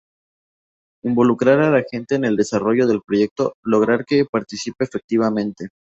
Involucrar a la gente en el desarrollo del proyecto, lograr que participe efectivamente.